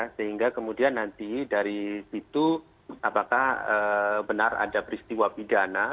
sehingga kemudian nanti dari situ apakah benar ada peristiwa pidana